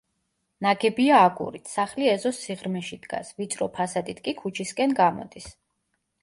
ნაგებია აგურით, სახლი ეზოს სიღრმეში დგას, ვიწრო ფასადით კი ქუჩისკენ გამოდის.